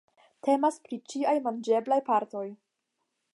Temas pri ĉiaj manĝeblaj partoj.